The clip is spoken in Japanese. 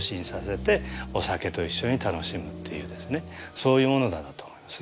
そういうものだなと思いますね。